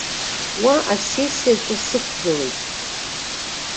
Уа асессиаҿы сықәгылеит.